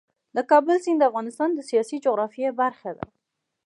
د کابل سیند د افغانستان د سیاسي جغرافیه برخه ده.